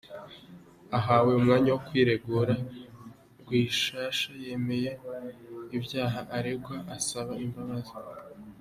Ahawe umwanya wo kwiregura, Rwishasha yemeye ibyaha aregwa, asaba imbabazi.